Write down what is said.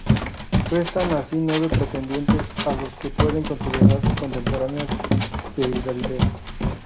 Restan así nueve pretendientes a los que puede considerarse contemporáneos de Galieno.